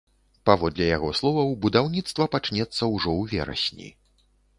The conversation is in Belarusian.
Паводле яго словаў, будаўніцтва пачнецца ўжо ў верасні.